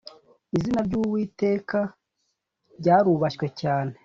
izina ry’uwiteka ryarubashywe cyane.